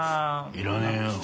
いらねえよ